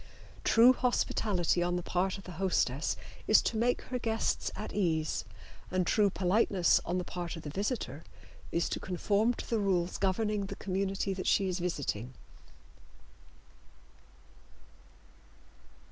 True hospitality on the part of the hostess is to make her guests at ease, and true politeness on the part of the visitor is to conform to the rules governing the community that she is visiting.